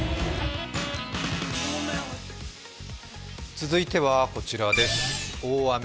続いてはこちらです。